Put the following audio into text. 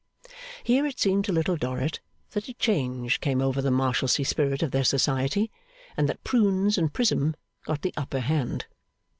Here it seemed to Little Dorrit that a change came over the Marshalsea spirit of their society, and that Prunes and Prism got the upper hand.